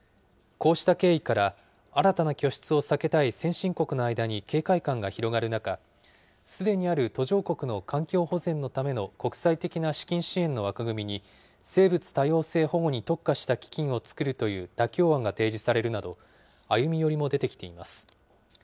こうした経緯から、新たな拠出を避けたい先進国の間に警戒感が広がる中、すでにある途上国の環境保全のための国際的な資金支援の枠組みに、生物多様性保護に特化した基金を作るという妥協案が提示されるなど、歩み寄りも出てきています。